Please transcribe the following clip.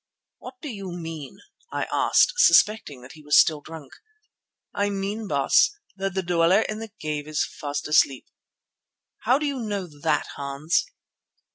"What do you mean?" I asked, suspecting that he was still drunk. "I mean, Baas, that the Dweller in the cave is fast asleep." "How do you know that, Hans?"